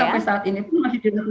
sampai saat ini pun masih di dalam